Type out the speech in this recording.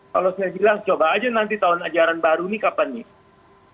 kalau saya bilang coba aja nanti tahun ajaran baru nih kapan nih